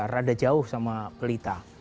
rada jauh sama pelita